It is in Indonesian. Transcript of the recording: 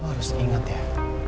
lo harus inget ya